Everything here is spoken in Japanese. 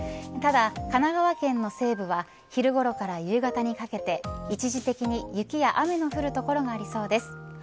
ただ、神奈川県の西部は昼ごろから夕方にかけて一時的に雪や雨の降る所がありそうです。